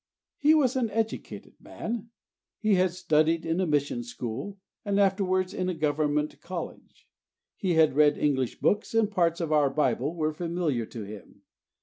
He was an educated man; he had studied in a mission school, and afterwards in a Government college. He had read English books, and parts of our Bible were familiar to him.